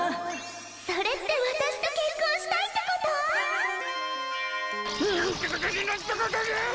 それってわたしとけっこんしたいってこと？なんてことになんてことに！